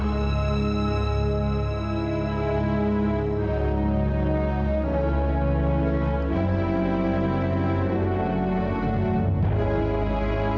orang yang memiliki kekuatan yang bebas